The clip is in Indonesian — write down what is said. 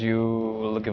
semoga running daydin